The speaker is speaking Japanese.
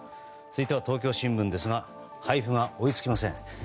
続いては東京新聞ですが配布が追いつきません。